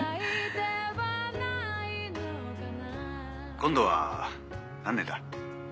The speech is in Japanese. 今度は何年だ？